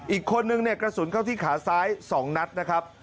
อีกคนนึงเนี่ยกระสุนเข้าที่ขาซ้าย๒นัดนะครับ